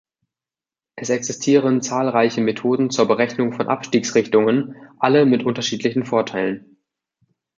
Es existieren zahlreiche Methoden zur Berechnung von Abstiegsrichtungen, alle mit unterschiedlichen Vorteilen.